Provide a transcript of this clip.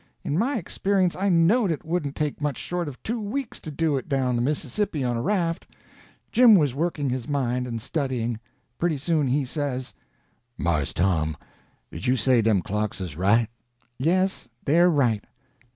In my experience I knowed it wouldn't take much short of two weeks to do it down the Mississippi on a raft. Jim was working his mind and studying. Pretty soon he says: "Mars Tom, did you say dem clocks uz right?" "Yes, they're right."